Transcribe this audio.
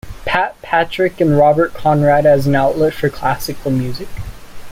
"Pat" Patrick and Robert Conrad as an outlet for classical music.